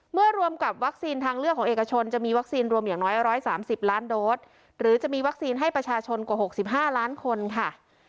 รวมกับวัคซีนทางเลือกของเอกชนจะมีวัคซีนรวมอย่างน้อย๑๓๐ล้านโดสหรือจะมีวัคซีนให้ประชาชนกว่า๖๕ล้านคนค่ะ